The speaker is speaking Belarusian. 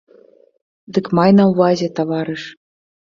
Дык май на ўвазе, таварыш!